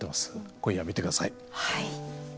今夜、見てください。